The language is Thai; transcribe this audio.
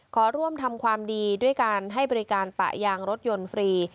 ขอร่วมทำความดีด้วยการให้บริการปะยางรถยนต์ฟรี